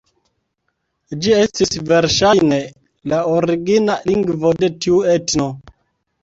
Ĝi estis verŝajne la origina lingvo de tiu etno.